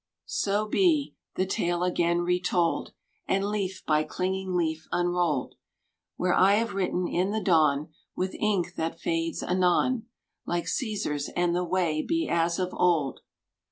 So be the tale again retold And leaf by clinging leaf unrolled Where I have written in the dawn, With ink that fades anon, Like Caesar's, and the way be as of old.